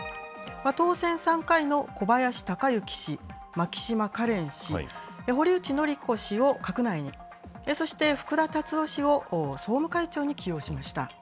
当選３回の小林鷹之氏、牧島かれん氏、堀内詔子氏を閣内に、そして福田達夫氏を総務会長に起用しました。